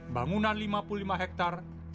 bangunan lima puluh lima hektare